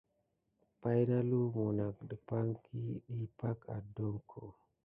Pay nà lumu nak dupay ɗi pay oɗoko.